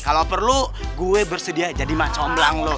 kalau perlu gue bersedia jadi macomblang lu